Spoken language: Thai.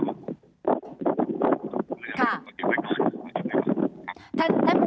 ฮดิฉันไม่ค่อยได้ยินท่านเลยค่ะ